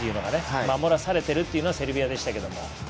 守らされているっていうのはセルビアでしたけども。